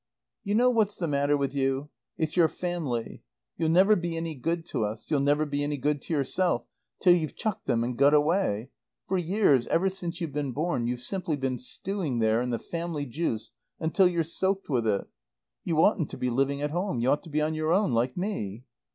"You know what's the matter with you? It's your family. You'll never be any good to us, you'll never be any good to yourself till you've chucked them and got away. For years ever since you've been born you've simply been stewing there in the family juice until you're soaked with it. You oughtn't to be living at home. You ought to be on your own like me."